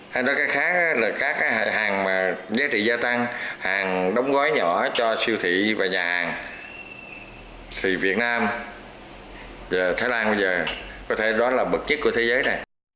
hay nói cái khác là các hàng giá trị gia tăng hàng đóng gói nhỏ cho siêu thị và nhà hàng thì việt nam và thái lan bây giờ có thể nói là bậc nhất của thế giới này